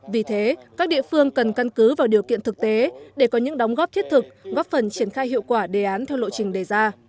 vì thế các địa phương cần căn cứ vào điều kiện thực tế để có những đóng góp thiết thực góp phần triển khai hiệu quả đề án theo lộ trình đề ra